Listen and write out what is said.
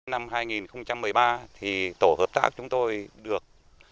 năm hai nghìn một mươi ba thì tổ hợp tác chúng tôi được